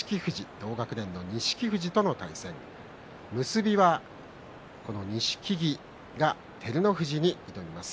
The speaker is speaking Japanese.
結びは錦木が照ノ富士に挑みます。